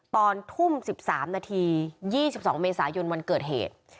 ตอนทุ่ม๑๓นาที๒๒เมษายนวันเกิดเหตุ